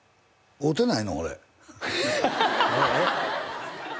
会うてない？